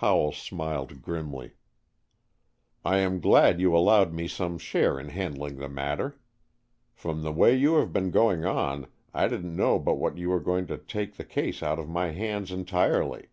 Howell smiled grimly. "I am glad you allowed me some share in handling the matter. From the way you have been going on, I didn't know but what you were going to take the case out of my hands entirely.